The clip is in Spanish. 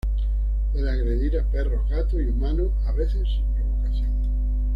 Puede agredir a perros, gatos y humanos, a veces sin provocación.